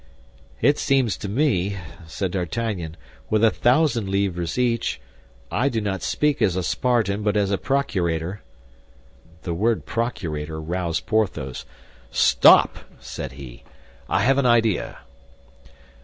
"It seems to me," said D'Artagnan, "with a thousand livres each—I do not speak as a Spartan, but as a procurator—" This word procurator roused Porthos. "Stop," said he, "I have an idea."